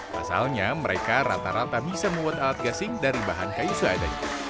pasalnya mereka rata rata bisa membuat alat gasing dari bahan kayu seadanya